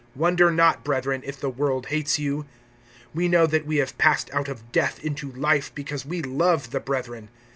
(13)Wonder not, brethren, if the world hates you. (14)We know that we have passed out of death into life, because we love the brethren.